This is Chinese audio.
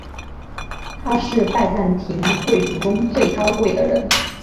他是拜占庭贵族中最高贵的人。